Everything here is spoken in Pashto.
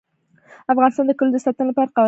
افغانستان د کلیو د ساتنې لپاره قوانین لري.